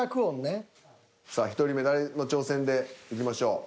さあ１人目誰の挑戦でいきましょう。